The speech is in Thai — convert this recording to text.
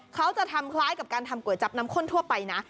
เขาจะทำคล้ายกับการทำก๋วยจับน้ำข้นทั่วไปนะ